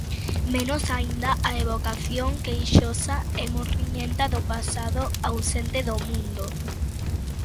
Menos aínda a evocación queixosa e morriñenta do pasado, ausente do mundo.